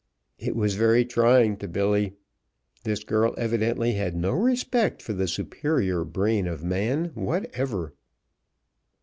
It was very trying to Billy. This girl evidently had no respect for the superior brain of man whatever.